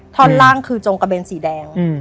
ท่อนล่างคือจงกระเบนสีแดง